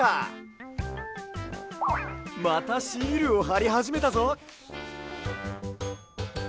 またシールをはりはじめたぞ。